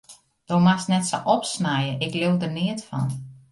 Do moatst net sa opsnije, ik leau der neat fan.